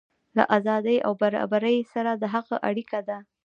له ازادۍ او برابرۍ سره د هغه اړیکه ده.